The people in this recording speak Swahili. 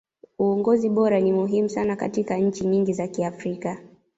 uongozi bora ni muhimu sana katika nchi nyingi za kiafrika